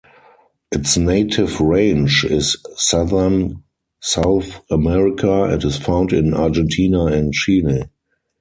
Its native range is southern South America and is found in Argentina and Chile.